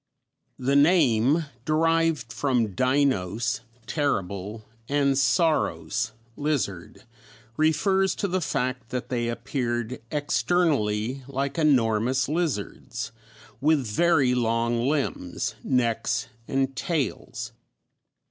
The name, derived from deinos terrible, and sauros lizard, refers to the fact that they appeared externally like enormous lizards, with very long limbs, necks, and tails.